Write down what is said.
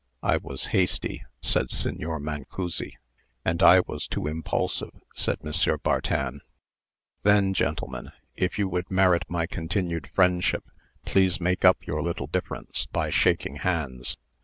"I was hasty," said Signor Mancussi. "And I was too impulsive," said M. Bartin. "Then, gentlemen, if you would merit my continued friendship, please make up your little difference, by shaking hands."